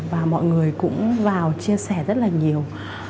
và mọi người cũng vào chia sẻ rất là nhiều